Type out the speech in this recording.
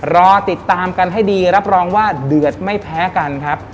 รอติดตามกันให้ดีรับรองว่าเดือดไม่แพ้กันครับ